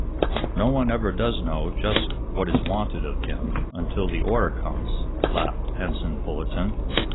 "No one ever does know just what is wanted of him, until the order comes," laughed Ensign Fullerton.